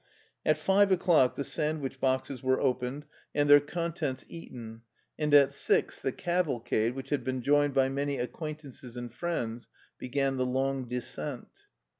At five o'clock the sandwich boxes were opened and 52 MARTIN SCHULER their contents eaten, and at six the cavalcade, which had been joined by many acquaintances and friends, began the long descent.